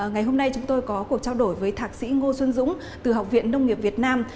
ngày hôm nay chúng tôi có cuộc trao đổi với thạc sĩ ngô xuân dũng từ học viện nông nghiệp việt nam